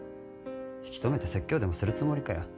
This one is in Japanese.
引き留めて説教でもするつもりかよ。